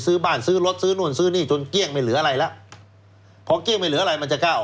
เอาไว้ก่อนแล้ว